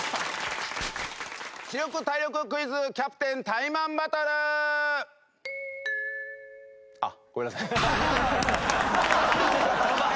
知力体力クイズキャプテンタイマンバトル！あっごめんなさい。